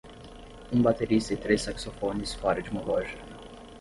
Um baterista e três saxofones fora de uma loja.